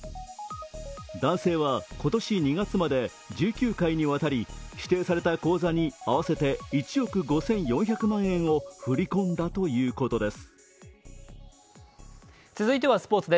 男性は今年２月まで１９回にわたり指定された口座に合わせて１億５４００万円を振り込んだということです。